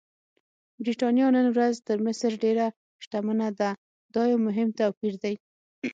برېټانیا نن ورځ تر مصر ډېره شتمنه ده، دا یو مهم توپیر دی.